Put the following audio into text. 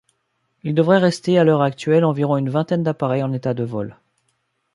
Il devrait rester à l'heure actuelle environ une vingtaine d'appareils en état de vol.